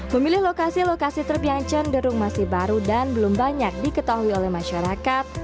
pemilih lokasi lokasi terbiancan derung masih baru dan belum banyak diketahui oleh masyarakat